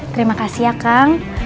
terima kasih ya kang